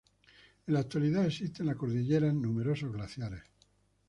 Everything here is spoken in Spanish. En la actualidad, existen en la cordillera numerosos glaciares.